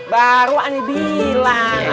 baru andi bilang